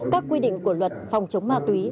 các quy định của luật phòng chống ma túy